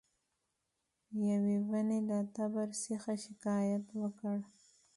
یوې ونې له تبر څخه شکایت وکړ.